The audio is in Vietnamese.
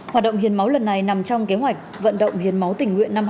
hoạt động hiền máu lần này nằm trong kế hoạch vận động hiền máu tỉnh nguyện